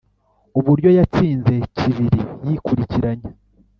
uburyo yatsinze kibiri yikurikiranya,